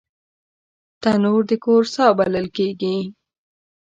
تنور د کور ساه بلل کېږي